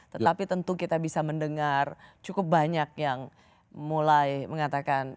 tetapi tentu kita bisa mendengar cukup banyak yang mulai mengatakan